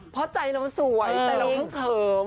เพราะใจเราสวยแต่เราเพิ่งเขิม